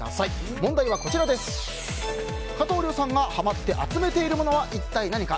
問題は、加藤諒さんがハマって集めているものは一体何か。